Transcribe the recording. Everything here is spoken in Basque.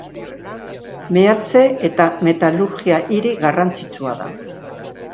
Meatze eta metalurgia hiri garrantzitsua da.